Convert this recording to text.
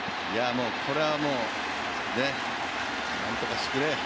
これはもう、なんとかしてくれ。